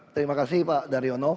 terima kasih pak daryono